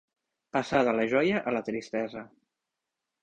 Passar de la joia a la tristesa.